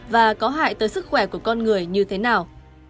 và có hại tới sức khỏe của con người như thế nào